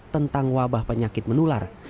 tentang wabah penyakit menular